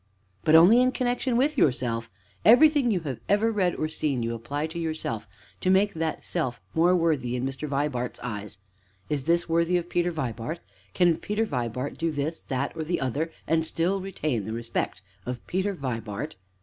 "But only in connection with yourself; everything you have ever read or seen you apply to yourself, to make that self more worthy in Mr. Vibart's eyes. Is this worthy of Peter Vibart? Can Peter Vibart do this, that, or the other, and still retain the respect of Peter Vibart?